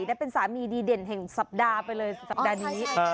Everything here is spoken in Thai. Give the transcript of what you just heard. ได้เป็นสามีดีเด่นแห่งสัปดาห์ไปเลยสัปดาห์นี้